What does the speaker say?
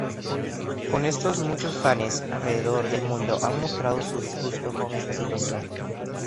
Con esto muchos fanes alrededor del mundo han mostrado su disgusto con esta situación.